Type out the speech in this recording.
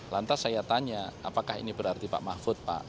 lantas saya tanya apakah ini berarti pak mahfud pak